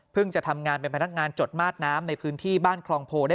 จะทำงานเป็นพนักงานจดมาดน้ำในพื้นที่บ้านคลองโพได้